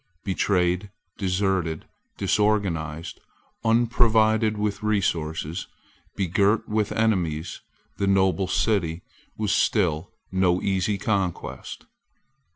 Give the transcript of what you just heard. Betrayed, deserted, disorganized, unprovided with resources, begirt with enemies, the noble city was still no easy conquest.